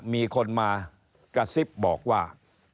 มีคนมากระซิบบอกว่า